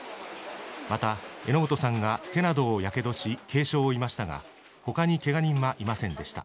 また榎本さんが手などをやけどし、軽傷を負いましたが、ほかにけが人はいませんでした。